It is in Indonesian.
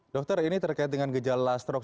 dokter ini terkait dengan gejala stroke